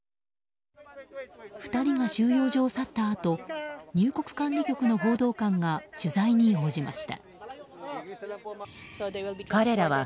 ２人が収容所を去ったあと入国管理局の報道官が取材に応じました。